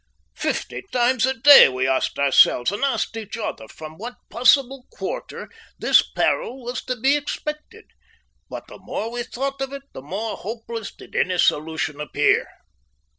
Fifty times a day we asked ourselves and asked each other from what possible quarter this peril was to be expected, but the more we thought of it the more hopeless did any solution appear.